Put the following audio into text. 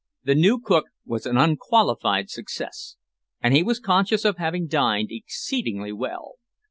The new cook was an unqualified success, and he was conscious of having dined exceedingly well.